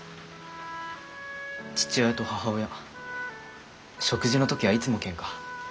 父親と母親食事の時はいつもケンカ。